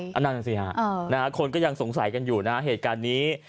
อำนาจังศิษยาคนก็ยังสงสัยกันอยู่นะเหตุการณ์นี้